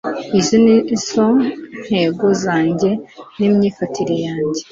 izi ni zo ntego zanjye n'imyifatire yanjye